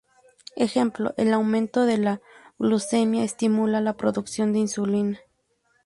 Ejemplo: El aumento de la glucemia estimula la producción de insulina.